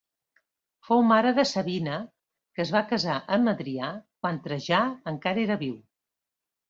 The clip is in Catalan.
Fou mare de Sabina que es va casar amb Adrià quan Trajà encara era viu.